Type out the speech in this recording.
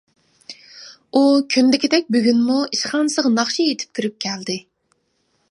ئۇ كۈندىكىدەك بۈگۈنمۇ ئىشخانىسىغا ناخشا ئېيتىپ كىرىپ كەلدى.